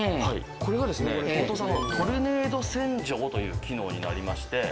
これがですねＴＯＴＯさんのトルネード洗浄という機能になりまして。